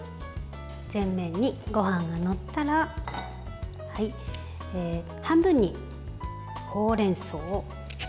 全面にごはんが載ったら半分にほうれんそうを載せます。